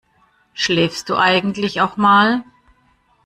Schläfst du eigentlich auch mal?